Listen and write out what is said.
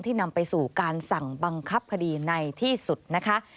นำไปสู่การสั่งบังคับคดีในที่สุดนะคะ